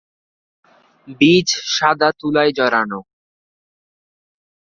বীজ সাদা তুলায় জড়ানো।